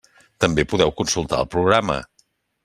També podeu consultar el programa.